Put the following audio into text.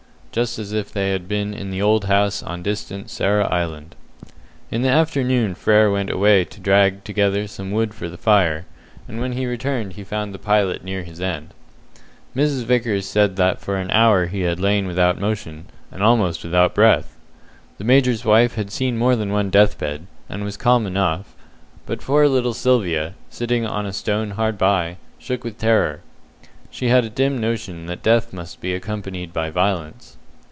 just as if they had been in the old house on distant Sarah Island. In the afternoon Frere went away to drag together some wood for the fire, and when he returned he found the pilot near his end. Mrs. Vickers said that for an hour he had lain without motion, and almost without breath. The major's wife had seen more than one death bed, and was calm enough; but poor little Sylvia, sitting on a stone hard by, shook with terror. She had a dim notion that death must be accompanied by violence.